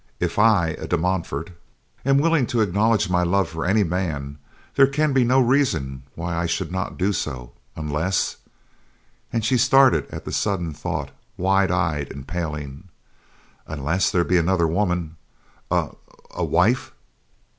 If I, a De Montfort, am willing to acknowledge my love for any man, there can be no reason why I should not do so, unless," and she started at the sudden thought, wide eyed and paling, "unless there be another woman, a—a—wife?"